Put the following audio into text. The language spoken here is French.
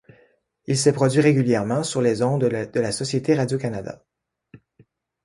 Il s'est produit régulièrement sur les ondes de la Société Radio-Canada.